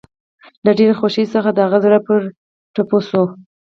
له ډېرې خوښۍ څخه د هغه زړه پر ټوپو شو